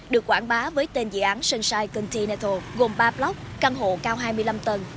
được quảng bá với tên dự án sunshine continental gồm ba blog căn hộ cao hai mươi năm tầng